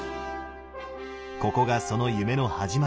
ここがその夢の始まりの場所